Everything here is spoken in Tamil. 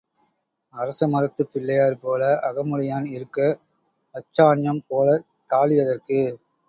அரசமரத்துப் பிள்ளையார் போல அகமுடையான் இருக்க அச்சான்யம் போலத் தாலி எதற்கு?